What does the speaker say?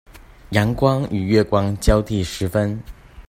陽光與月光交替時分